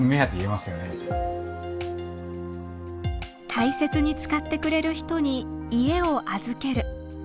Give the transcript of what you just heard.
大切に使ってくれる人に家を預ける。